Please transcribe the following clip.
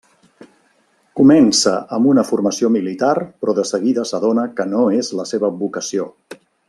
Comença amb una formació militar però de seguida s’adona que no és la seva vocació.